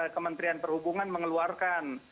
kementerian perhubungan mengeluarkan